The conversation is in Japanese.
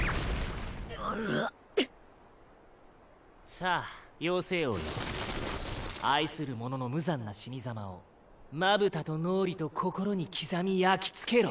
さあ妖精王よ愛する者の無残な死にざまをまぶたと脳裏と心に刻み焼き付けろ。